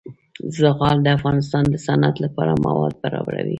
زغال د افغانستان د صنعت لپاره مواد برابروي.